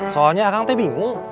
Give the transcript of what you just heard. soalnya aku bingung